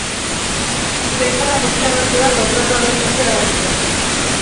Leitzarra pozik agertu da kontratua berritzeko erabakiarekin.